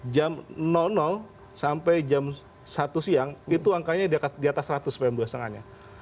jam sampai jam satu siang itu angkanya di atas seratus pm dua lima nya